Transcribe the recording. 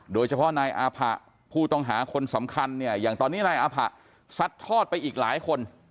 โดยเฉพาะนายอาผะผู้ต้องหาคนสำคัญเนี่ยอย่างตอนนี้นายอาผะซัดทอดไปอีกหลายคน